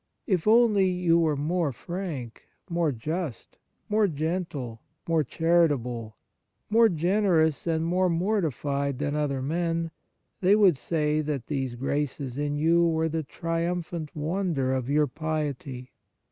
If only you were more frank, more just, more gentle, more charitable, more generous and more mortified than other men, they would say that these graces in you were the triumphant wonder of your piety.